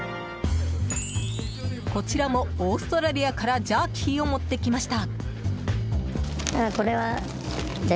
こちらもオーストラリアからジャーキーを持ってきました。